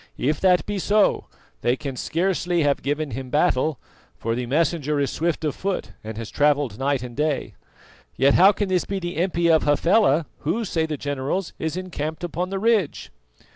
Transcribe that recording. If that be so, they can scarcely have given him battle, for the messenger is swift of foot and has travelled night and day. Yet how can this be the impi of Hafela, who, say the generals, is encamped upon the ridge?"